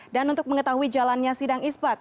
untuk mengetahui jalannya sidang isbat